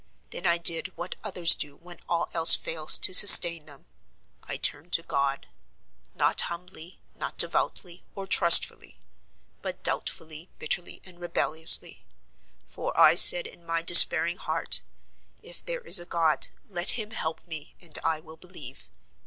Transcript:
Then I did what others do when all else fails to sustain them; I turned to God: not humbly, not devoutly or trustfully, but doubtfully, bitterly, and rebelliously; for I said in my despairing heart, 'If there is a God, let Him help me, and I will believe.